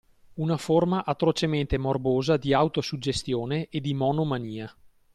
Una forma atrocemente morbosa di autosuggestione e di monomania.